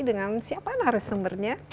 dengan siapa harus sumbernya